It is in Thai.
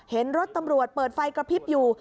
เห็นรถตำรวจเปิดไฟกระพริบอยู่